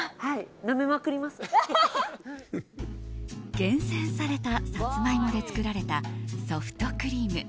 厳選されたサツマイモで作られたソフトクリーム。